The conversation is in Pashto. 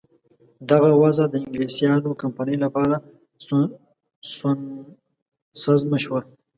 دغه وضع د انګلیسیانو کمپنۍ لپاره سونسزمه شوه.